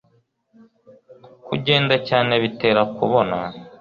kugenda cyane bitera kubona